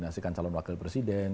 nominasikan calon wakil presiden